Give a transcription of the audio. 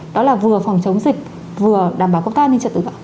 đó là vừa phòng chống dịch vừa đảm bảo công tác an ninh trật tự ạ